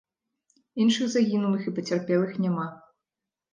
Іншых загінулых і пацярпелых няма.